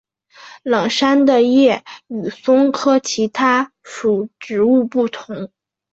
冷杉的叶与松科其他属植物不同。